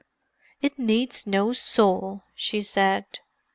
"It needs no soul!" she said.